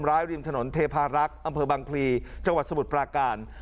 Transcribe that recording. ริมถนนเทพารักษ์อำเภอบังพลีจังหวัดสมุทรปราการ